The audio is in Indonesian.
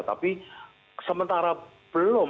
tapi sementara belum ada putusan yang bersebut